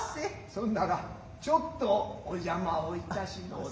そんならちょっとお邪魔をいたします。